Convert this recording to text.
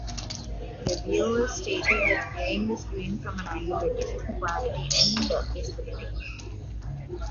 Reviewers stated that viewing the screen from an angle reduces the quality and visibility.